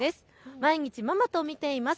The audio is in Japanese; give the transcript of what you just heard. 毎日ママと見ています。